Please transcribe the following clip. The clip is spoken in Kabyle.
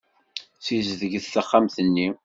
Ssizdeget taxxamt-nni!